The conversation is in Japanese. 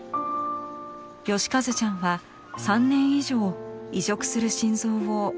芳和ちゃんは３年以上移植する心臓を待ちました。